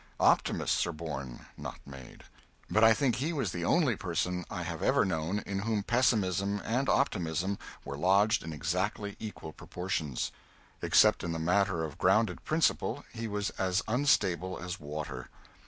Optimists are born, not made. But I think he was the only person I have ever known in whom pessimism and optimism were lodged in exactly equal proportions. Except in the matter of grounded principle, he was as unstable as water.